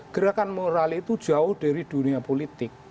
gerakan moral itu jauh dari dunia politik